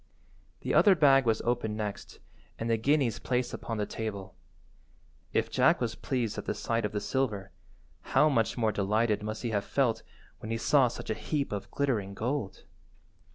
The other bag was opened next, and the guineas placed upon the table. If Jack was pleased at the sight of the silver, how much more delighted must he have felt when he saw such a heap of glittering gold?